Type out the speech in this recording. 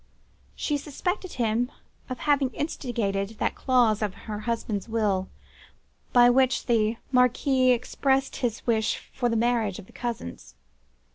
She suspected him of having instigated that clause in her husband's will, by which the Marquis expressed his wish for the marriage of the cousins.